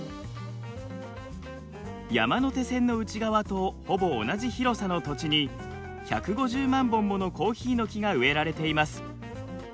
山手線の内側とほぼ同じ広さの土地に１５０万本ものコーヒーの木が植えられています。